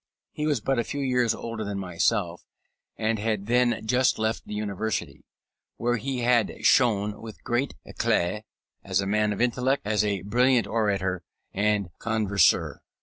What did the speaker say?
He was but a few years older than myself, and had then just left the University, where he had shone with great éclat as a man of intellect and a brilliant orator and converser.